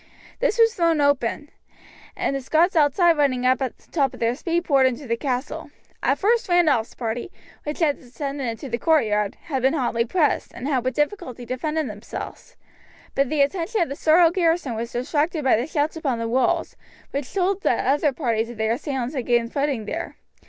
This was thrown open, and the Scots outside running up at the top of their speed poured into the castle. At first Randolph's party, which had descended into the courtyard, had been hotly pressed, and had with difficulty defended themselves; but the attention of the startled garrison was distracted by the shouts upon the walls, which told that other parties of their assailants had gained footing there.